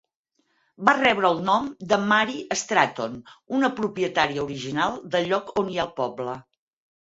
Va rebre el nom de Mary Stratton, una propietària original del lloc on hi ha el poble.